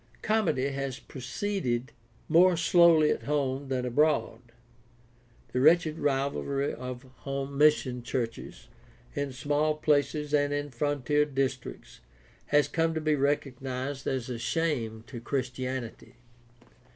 Comity has proceeded more slowly at home than abroad. The wretched rivalry of home mission churches in small places and in frontier districts has come to be recognized as a shame to Christianity.